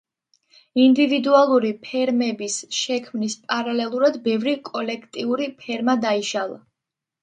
ინდივიდუალური ფერმების შექმნის პარალელურად ბევრი კოლექტიური ფერმა დაიშალა.